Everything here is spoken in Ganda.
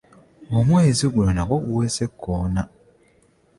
Omwezi guno nagwo guwese ekkoona.